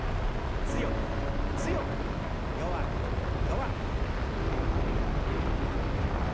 強く強く弱く弱く。